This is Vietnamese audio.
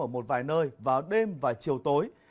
ở một vài nơi vào đêm và chiều tối